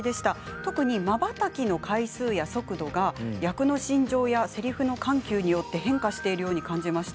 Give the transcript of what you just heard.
特にまばたきの回数や速度とか役の心情やせりふの関係によって変化してるように感じました。